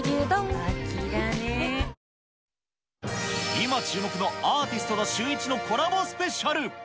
今注目のアーティストとシューイチのコラボスペシャル。